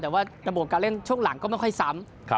แต่ว่าระบบการเล่นช่วงหลังก็ไม่ค่อยซ้ำ